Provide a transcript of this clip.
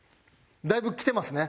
だいぶきてますね。